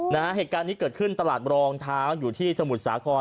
เหตุการณ์นี้เกิดขึ้นตลาดรองเท้าอยู่ที่สมุทรสาคร